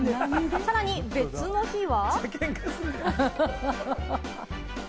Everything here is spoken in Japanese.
さらに別の日は。